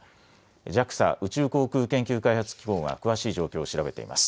ＪＡＸＡ・宇宙航空研究開発機構が詳しい状況を調べています。